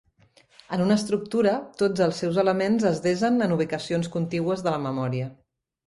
En una estructura, tots els seus elements es desen en ubicacions contigües de la memòria.